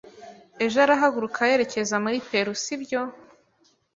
Ejo arahaguruka yerekeza muri Peru, sibyo?